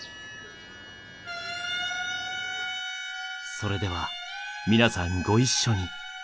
それでは皆さんご一緒に。